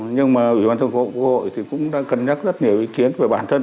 nhưng mà ủy ban thường vụ quốc hội thì cũng đã cân nhắc rất nhiều ý kiến của bản thân